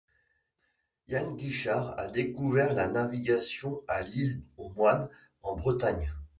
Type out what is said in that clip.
Yann Guichard a découvert la navigation à l’île aux Moines, en Bretagne.